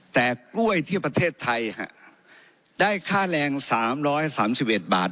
แต่กล้วยที่ประเทศไทยฮะได้ค่าแรงสามร้อยสามสิบเอ็ดบาท